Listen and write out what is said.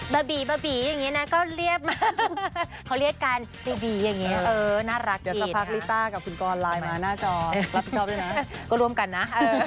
บะบีอย่างนี้นะก็เรียกมา